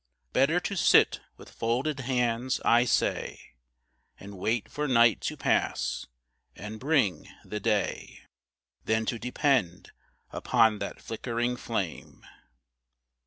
Better to sit with folded hands, I say, And wait for night to pass, and bring the day, Than to depend upon that flickering flame.